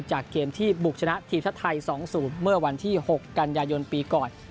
จากเกมที่บุกชนะทีมชาติไทย๒๐เมื่อวันที่๖กันยายนปีก่อน